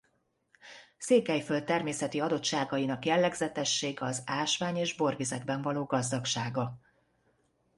Székelyföld természeti adottságainak jellegzetessége az ásvány- és borvizekben való gazdagsága.